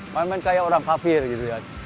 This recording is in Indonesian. main main kayak orang kafir gitu kan